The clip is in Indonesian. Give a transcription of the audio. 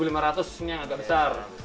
dua ribu lima ratus ini yang agak besar